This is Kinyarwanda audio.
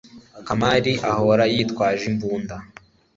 kamari ahora yitwaje imbunda